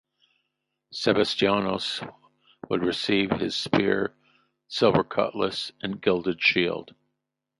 Sebestyanos would receive his spear, silver cutlass, and gilded shield.